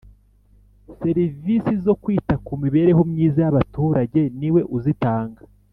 Serivisi zo kwita ku mibereho myiza y’ abaturage niwe uzitanga.